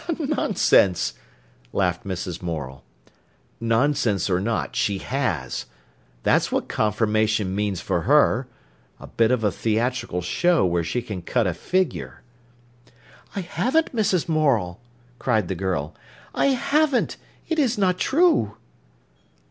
"Nonsense!" laughed Mrs. Morel. "Nonsense or not, she has! That's what confirmation means for her—a bit of a theatrical show where she can cut a figure." "I haven't, Mrs. Morel!" cried the girl—"I haven't! it is not true!"